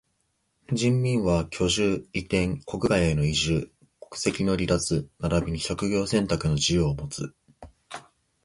人民は居住、移転、国外への移住、国籍の離脱ならびに職業選択の自由をもつ。